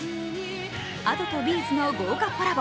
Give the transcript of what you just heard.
ＡｄｏとＢ’ｚの豪華コラボ。